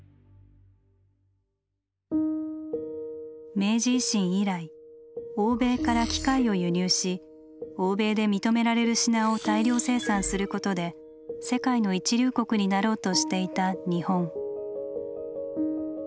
明治維新以来欧米から「機械」を輸入し欧米で認められる品を大量生産することで世界の一流国になろうとしていた日本。